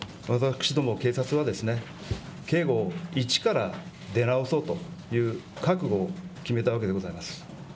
私ども警察は警護を一から見直そうという覚悟を決めたわけでございます。